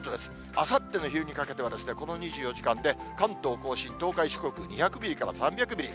あさっての昼にかけては、この２４時間で関東甲信、東海、四国に２００ミリから３００ミリ。